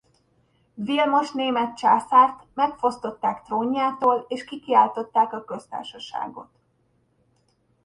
Vilmos német császárt megfosztották trónjától és kikiáltották a köztársaságot.